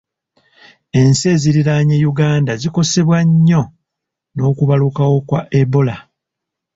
Ensi eziriraanye Uganda zikosebwa nnyo n'okubalukawo kwa Ebola.